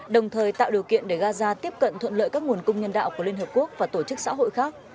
đồng thời tạo điều kiện để gaza tiếp cận thuận lợi các nguồn cung nhân đạo của liên hợp quốc và tổ chức xã hội khác